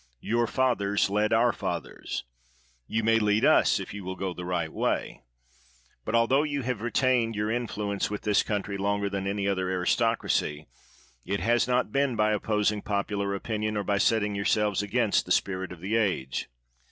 Your fathers led our fathers ; you may lead us if you will go the right way. But, altho you have retained your in fluence with this country longer than any other aristocracy, it has not been by opposing popular opinion, or by setting yourselves against the spirit of the age.